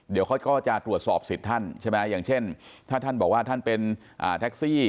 เดี๋ยวเขาก็จะตรวจสอบสิทธิ์ท่านใช่ไหมอย่างเช่นถ้าท่านบอกว่าท่านเป็นแท็กซี่